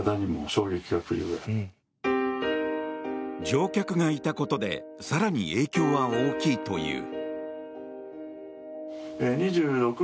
乗客がいたことで更に影響は大きいという。